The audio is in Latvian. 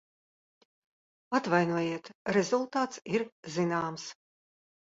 Atvainojiet, rezultāts ir zināms.